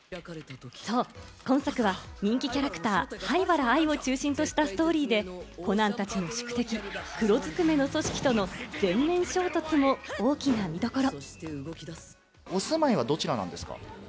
今作は人気キャラクター・灰原哀を中心としたストーリーで、コナンたちの宿敵・黒ずくめの組織との全面衝突も大きな見どころ。